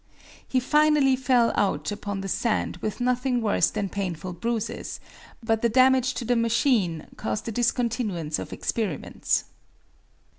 He finally fell out upon the sand with nothing worse than painful bruises, but the damage to the machine caused a discontinuance of experiments.